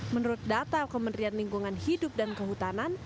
menurut data kementerian lingkungan hidup dan kehutanan